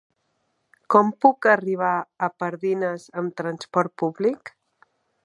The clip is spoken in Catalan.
Com puc arribar a Pardines amb trasport públic?